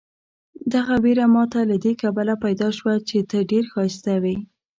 دغه وېره ماته له دې کبله پیدا شوه چې ته ډېر ښایسته وې.